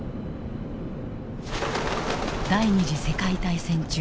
第２次世界大戦中